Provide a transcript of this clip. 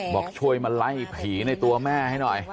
บอกช่วยมาไล่ผีในตัวแม่ให้หน่อย